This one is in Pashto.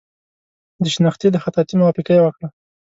د شنختې د خطاطۍ موافقه یې وکړه.